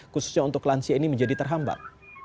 khususnya untuk lansia ini menjadi terhambat